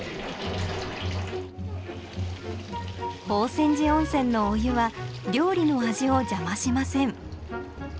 宝泉寺温泉のお湯は料理の味を邪魔しません。